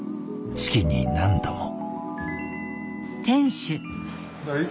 月に何度も。